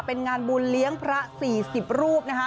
เป็นงานบุญเลี้ยงพระ๔๐รูปนะคะ